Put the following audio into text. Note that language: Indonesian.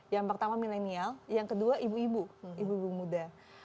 yang pertama milenial yang kedua ibu ibu ibu muda